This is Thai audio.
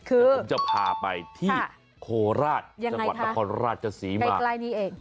คือคุณจะพาไปที่โคราชจังหวัดละครราชศรีมากใกล้นี้เอง